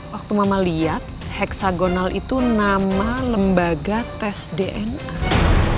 waktu mama lihat heksagonal itu nama lembaga tes dna